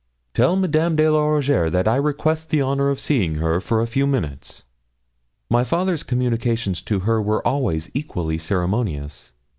'Tell Madame de la Rougierre that I request the honour of seeing her for a few minutes here.' My father's communications to her were always equally ceremonious.